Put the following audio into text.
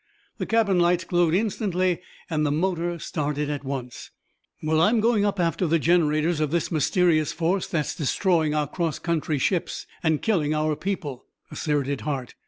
The cabin lights glowed instantly and the motor started at once. "Well, I'm going up after the generators of this mysterious force that is destroying our cross country ships and killing our people," asserted Hart.